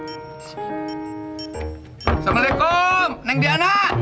assalamualaikum neng diana